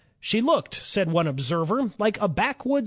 "She looked," said one observer, "like a backwoods sa.